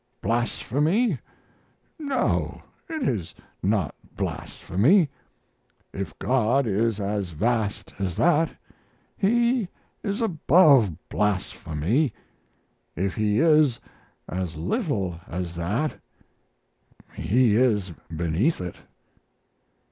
Blasphemy? No, it is not blasphemy. If God is as vast as that, He is above blasphemy; if He is as little as that, He is beneath it.